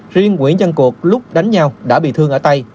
riêng nguyễn văn cột lúc đánh nhau đã bị thương ở tay